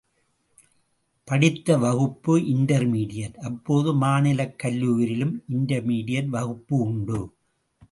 படித்த வகுப்பு இண்டர் மீடியட் அப்போது மாநிலக் கல்லூரியிலும் இண்டர் மீடியட் வகுப்பு உண்டு.